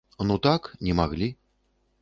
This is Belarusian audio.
Ну так, не маглі.